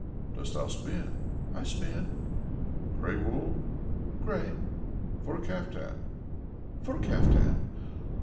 "Dost thou spin?" "I spin." "Grey wool?" "Grey." "For a caftan?" "For a caftan."